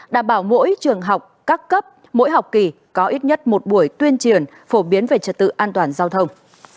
đảm bảo mỗi trường học các cấp mỗi học kỳ có ít nhất một buổi tuyên truyền phổ biến về trật tự an toàn giao thông